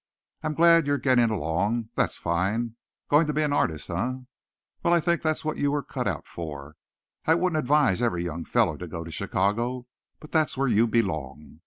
"I'm glad you're getting along that's fine. Going to be an artist, eh? Well, I think that's what you were cut out for. I wouldn't advise every young fellow to go to Chicago, but that's where you belong.